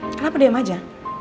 kenapa diam aja